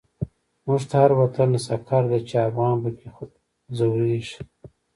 موږ ته هر وطن سقر دی، چی افغان په کی ځوريږی